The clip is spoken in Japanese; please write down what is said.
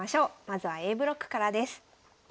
まずはＡブロックからです。